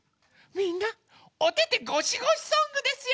みんなおててごしごしソングですよ！